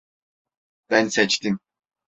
Ben seçtim.